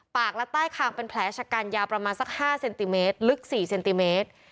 และใต้คางเป็นแผลชะกันยาวประมาณสัก๕เซนติเมตรลึก๔เซนติเมตร